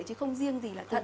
chứ không riêng gì là tận